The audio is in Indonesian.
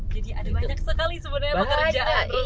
jadi ada banyak sekali sebenarnya pekerjaan